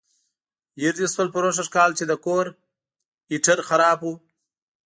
هېر دې شول پروسږ کال چې د کور هیټ خراب و.